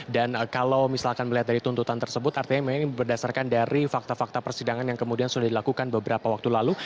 dan kalau misalkan melihat dari tuntutan tersebut artinya ini berdasarkan dari fakta fakta persidangan yang kemudian sudah dilakukan beberapa waktu lalu